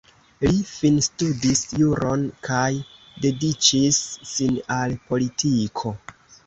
Li finstudis juron kaj dediĉis sin al politiko.